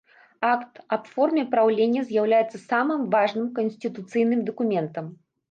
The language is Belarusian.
Акт аб форме праўлення з'яўляецца самым важным канстытуцыйным дакументам.